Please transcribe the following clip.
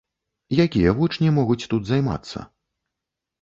Якія вучні могуць тут займацца?